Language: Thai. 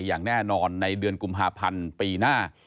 อย่างแน่นอนในเดือนกุมภาพันธ์ปีหน้า